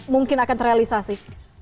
mungkin akan terrealisasi